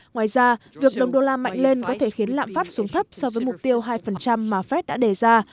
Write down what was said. ngoài ra việc đồng đô la mạnh lên có thể khiến lạm phát xuống thấp so với mục tiêu hai mà fed đã đề ra